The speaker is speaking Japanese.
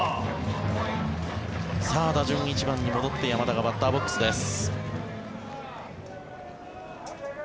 打順、１番に戻って山田がバッターボックスです。